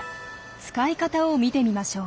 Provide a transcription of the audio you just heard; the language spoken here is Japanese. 使い方を見てみましょう。